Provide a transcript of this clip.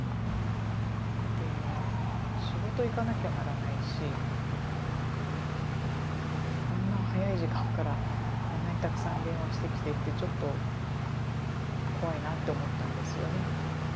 で仕事行かなきゃならないしこんな早い時間からこんなにたくさん電話してきてってちょっと怖いなと思ったんですよね。